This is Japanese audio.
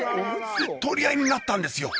取り合いになったんですよ